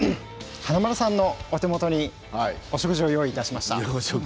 華丸さんのお手元にお食事を用意しました。